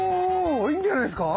いいんじゃないですか！